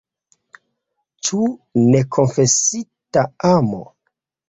Ĉu nekonfesita amo?